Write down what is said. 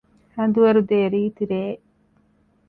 ހަނދުވަރުދޭ ރީތިރެއެއް